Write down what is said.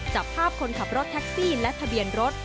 จับภาพคนขับรถแท็กซี่และทะเบียนรถ